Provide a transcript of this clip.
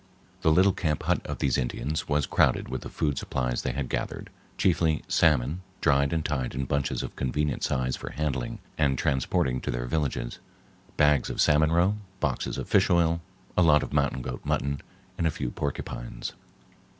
The little camp hut of these Indians was crowded with the food supplies they had gathered—chiefly salmon, dried and tied in bunches of convenient size for handling and transporting to their villages, bags of salmon roe, boxes of fish oil, a lot of mountain goat mutton, and a few porcupines.